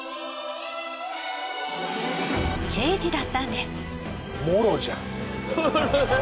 ［刑事だったんです］